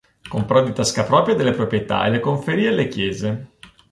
Comprò di tasca propria delle proprietà e le conferì alle chiese.